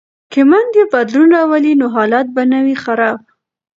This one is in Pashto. که میندې بدلون راولي نو حالت به نه وي خراب.